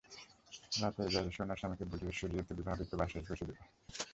রাতে এজাজ এসে ওনার স্বামীকে বুঝিয়ে সুঝিয়ে তুলি ভাবিকে বাসায় পৌঁছে দিল।